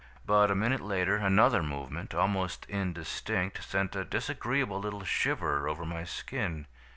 But a minute later, another movement, almost indistinct, sent a disagreeable little shiver over my skin.